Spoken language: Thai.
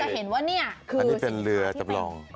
ตอนนี้เป็นเรือจำลอง